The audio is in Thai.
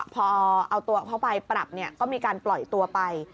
พอเอาตัวเข้าไปปรับก็มีการปล่อยตัวไป